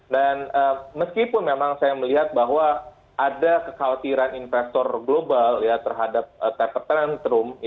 dan meskipun memang saya melihat bahwa ada kekhawatiran investor global terhadap temper tantrum